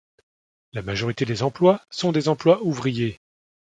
La majorité des emplois sont des emplois ouvriers.